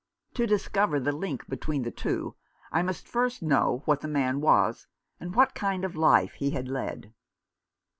To discover the link between those two I must first know what the man was, and what kind of life he had led.